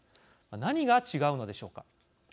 何が違うのでしょうか。